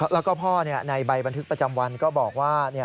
แล้วก็พ่อในใบบันทึกประจำวันก็บอกว่า